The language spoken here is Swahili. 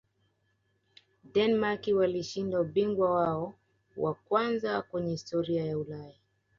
denmark walishinda ubingwa wao wa kwanza kwenye historia ya ulaya